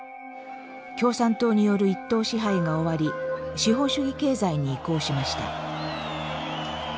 共産党による一党支配が終わり資本主義経済に移行しました。